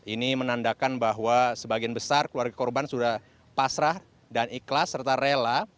ini menandakan bahwa sebagian besar keluarga korban sudah pasrah dan ikhlas serta rela